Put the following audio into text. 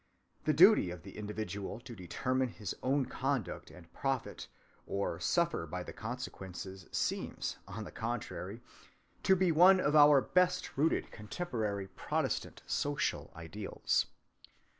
The duty of the individual to determine his own conduct and profit or suffer by the consequences seems, on the contrary, to be one of our best rooted contemporary Protestant social ideals.